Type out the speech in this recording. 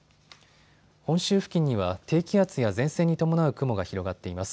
本州付近には低気圧や前線に伴う雲が広がっています。